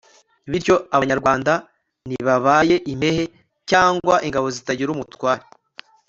bityo abanyarwanda ntibabaye impehe cyangwa ingabo zitagira umutware